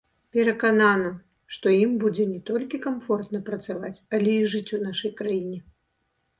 Перакананы, што ім будзе не толькі камфортна працаваць, але і жыць у нашай краіне.